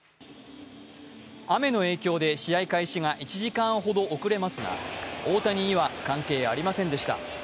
雨の影響で試合開始が１時間ほど遅れますが、大谷には関係ありませんでした。